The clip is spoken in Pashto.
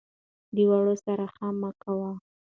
ـ د واړه سره ښه مه کوه ،